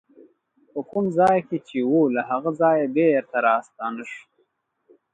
په کوم ځای کې چې وه له هغه ځایه بېرته راستنه شوه.